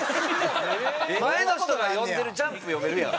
前の人が読んでる『ジャンプ』読めるやん。